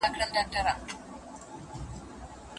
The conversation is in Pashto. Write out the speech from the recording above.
زوی هلته وخت نه ضايع کاوه.